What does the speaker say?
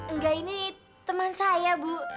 enggak ini teman saya bu